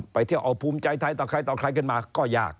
ไปเที่ยวเอาภูมิใจไทยต่อใครต่อใครกันมาก็ยาก